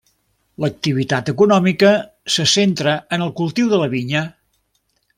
L'activitat econòmica se centra en el cultiu de la vinya.